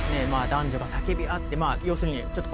男女が叫び合って要するにちょっとパニックに。